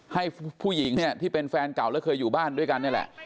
ให้ผู้หญิงเนี่ยที่เป็นแฟนเก่าแล้วเคยอยู่บ้านด้วยกันนี่แหละ